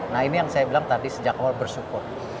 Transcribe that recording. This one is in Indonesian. nah ini yang saya bilang tadi sejak awal bersyukur